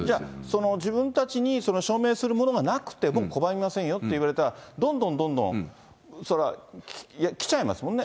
自分たちにその証明するものがなくても拒みませんよって言われたら、どんどんどんどん、それは来ちゃいますもんね。